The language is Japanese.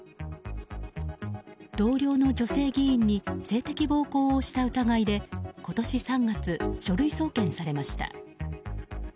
同僚の女性議員に性的暴行をした疑いで今年３月、書類送検されました。